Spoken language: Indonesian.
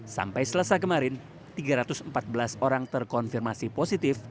sampai selasa kemarin tiga ratus empat belas orang terkonfirmasi positif